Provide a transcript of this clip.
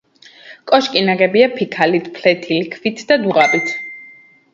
კოშკი ნაგებია ფიქალით, ფლეთილი ქვით და დუღაბით.